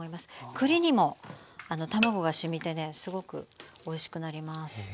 栗にも卵がしみてねすごくおいしくなります。